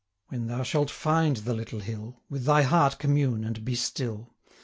When thou shalt find the little hill, With thy heart commune, and be still.